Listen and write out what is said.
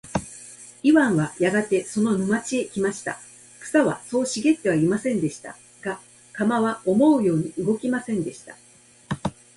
イワンはやがてその沼地へ来ました。草はそう茂ってはいませんでした。が、鎌は思うように動きませんでした。